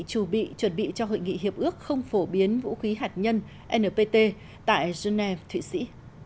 chủ bị chuẩn bị cho hội nghị hiệp ước không phổ biến vũ khí hạt nhân npt tại geneva thụy sĩ